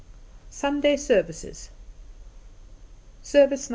V. Sunday Services. Service No.